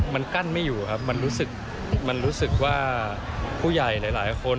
มันกั้นไม่อยู่ครับมันรู้สึกมันรู้สึกว่าผู้ใหญ่หลายคน